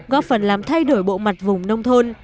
góp phần làm thay đổi bộ mặt vùng nông thôn